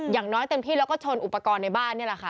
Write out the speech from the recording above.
อย่างน้อยเต็มที่แล้วก็ชนอุปกรณ์ในบ้านนี่แหละค่ะ